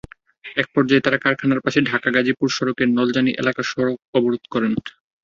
একপর্যায়ে তাঁরা কারখানার পাশে ঢাকা-গাজীপুর সড়কের নলজানী এলাকায় সড়ক অবরোধ করেন।